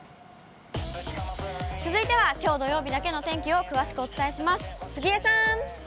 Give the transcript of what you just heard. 続いてはきょう土曜日だけの天気を詳しくお伝えします。